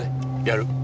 やる。